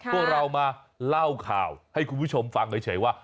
พวกเรามาเล่าข่าวให้คุณผู้ชมฟังเฉยว่า